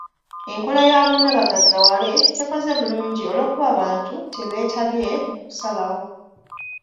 Enkola ya bonna bagaggawale tekoze bulungi olw'okuba abantu tebeetabye mu kusalawo.